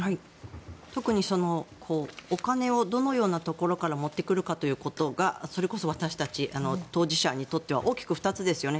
特にお金をどのようなところから持ってくるかということがそれこそ私たち当事者にとっては大きく２つですよね。